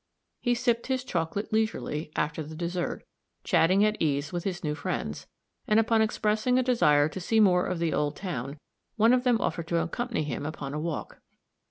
He sipped his chocolate leisurely, after the dessert, chatting at ease with his new friends; and upon expressing a desire to see more of the old town, one of them offered to accompany him upon a walk.